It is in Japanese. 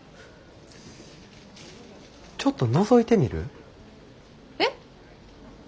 ちょっとのぞいてみる？